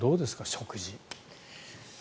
食事。